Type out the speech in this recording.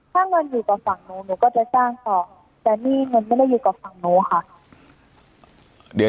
ถ้าเงินอยู่กับฝั่งหนูหนูก็จะจ้างต่อแต่นี่เงินไม่ได้อยู่กับฝั่งหนูค่ะ